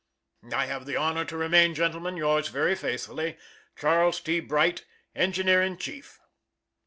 I have the honor to remain, gentlemen, yours very faithfully, CHARLES T. BRIGHT, _Engineer in Chief.